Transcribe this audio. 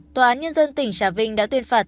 tòa án nhân dân tỉnh trà vinh đã tuyên phạt